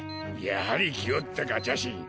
やはり来おったかジャシン。